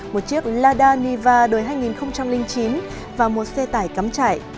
một chiếc lada niva đời hai nghìn chín và một xe tải cắm chạy